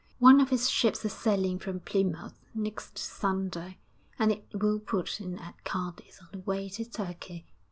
One of his ships is sailing from Plymouth next Sunday, and it will put in at Cadiz on the way to Turkey.'